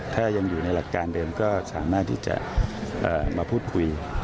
ถ้ายังอยู่ในหลักการเดิมก็สามารถที่จะมาพูดคุย